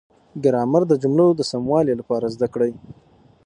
ګرامر د جملو د سموالي لپاره زده کړئ.